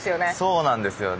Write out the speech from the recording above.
そうなんですよね。